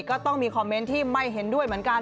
ก็ต้องมีคอมเมนต์ที่ไม่เห็นด้วยเหมือนกัน